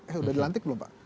eh sudah dilantik belum pak